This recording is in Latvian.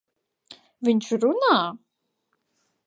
Viņš runā!